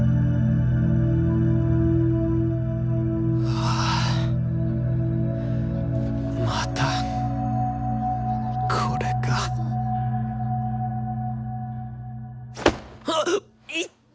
ああまたこれかはっいっ！